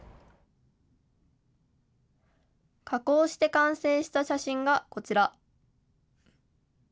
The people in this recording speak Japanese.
加工して完成した写真がこちら。